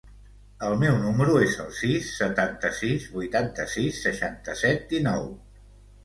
El meu número es el sis, setanta-sis, vuitanta-sis, seixanta-set, dinou.